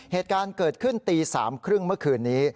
เหตุการณ์เกิดขึ้นตี๓๓๐เมื่อคืนนี้